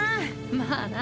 まあな。